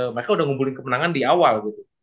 mereka udah ngumpulin kemenangan di awal gitu